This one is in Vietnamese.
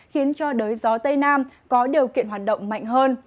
khiến cho đới gió tây nam có điều kiện hoạt động mạnh hơn